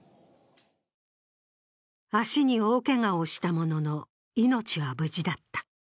足に大けがをしたものの、命は無事だった。